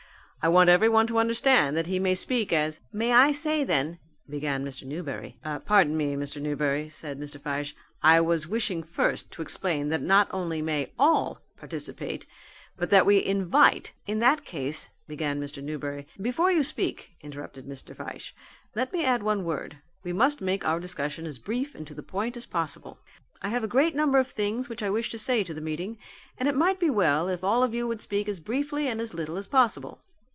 "I want everyone to understand that he may speak as " "May I say then " began Mr. Newberry. "Pardon me, Mr. Newberry," said Mr. Fyshe, "I was wishing first to explain that not only may all participate but that we invite " "In that case " began Mr. Newberry. "Before you speak," interrupted Mr. Fyshe, "let me add one word. We must make our discussion as brief and to the point as possible. I have a great number of things which I wish to say to the meeting and it might be well if all of you would speak as briefly and as little as possible.